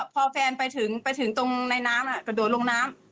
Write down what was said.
พอแฟนไปถึงไปถึงตรงในน้ำกระโดดลงน้ำ